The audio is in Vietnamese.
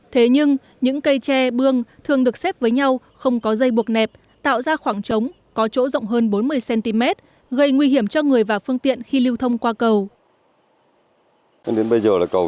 thế nhưng những cây tre bương thường được xếp với nhau không có dây buộc nẹp tạo ra khoảng trống có chỗ rộng hơn bốn mươi cm gây nguy hiểm cho người và phương tiện khi lưu thông qua cầu